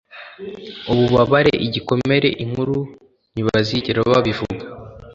ububabare, igikomere, inkuru; ntibazigera babivuga